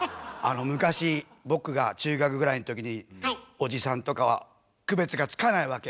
昔僕が中学ぐらいの時におじさんとかは区別がつかないわけ。